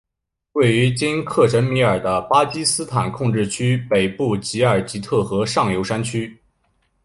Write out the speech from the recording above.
位于今克什米尔的巴基斯坦控制区北部吉尔吉特河上游山区。